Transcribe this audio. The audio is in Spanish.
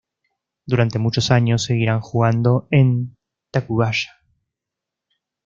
Durante muchos años seguirán jugando en Tacubaya.